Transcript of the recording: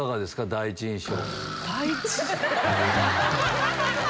第一印象。